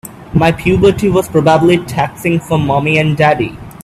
My puberty was probably taxing for mommy and daddy.